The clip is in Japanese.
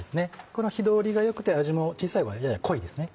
この火通りが良くて味も小さい割には濃いですね。